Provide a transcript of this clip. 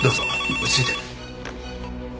落ち着いて。